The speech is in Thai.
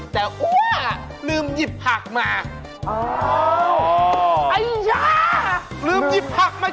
คนจีเขาครอบครัวอะไร